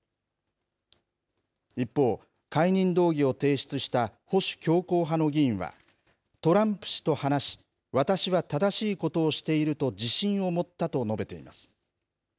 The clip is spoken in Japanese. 一方、解任動議を提出した保守強硬派の議員は、トランプ氏と話し、私は正しいことをしていると自信を持ったと述べています。